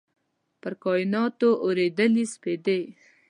پر کایناتو اوريدلي سپیدې